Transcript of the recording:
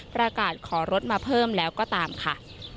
ประกาศขอรถมาเพิ่มแล้วก็ตามค่ะ